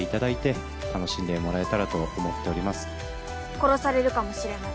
「殺されるかもしれない」